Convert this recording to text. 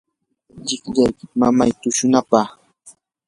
llikllaykita mañamay tushunapaq.